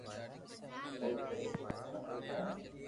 او سبو ھارو ڀلو ھي